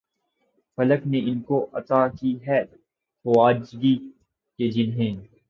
فلک نے ان کو عطا کی ہے خواجگی کہ جنھیں